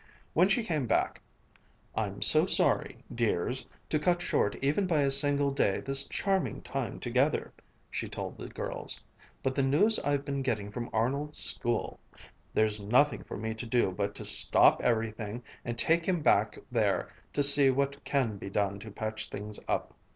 When she came back, "I'm so sorry, dears, to cut short even by a single day this charming time together," she told the girls. "But the news I've been getting from Arnold's school there's nothing for me to do but to stop everything and take him back there to see what can be done to patch things up."